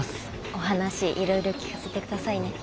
お話いろいろ聞かせてくださいね。